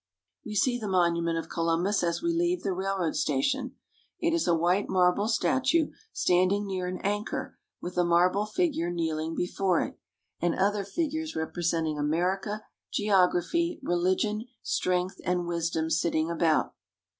We see the monument of Columbus as we leave the railroad station. It is a white marble statue standing near an anchor, with a marble figure kneeling before it, and other figures representing America, geography, religion, strength, and wisdom sitting about.